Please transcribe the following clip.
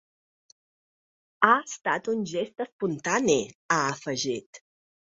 Ha estat un gest espontani, ha afegit.